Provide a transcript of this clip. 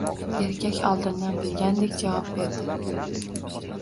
Erkak oldindan bilgandek javob berdi